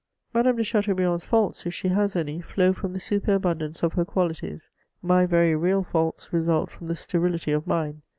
Madame de Chateaubriand's faults, if she has any, flow from the superabundance of her qualities : my very real faults result from the sterility of mine.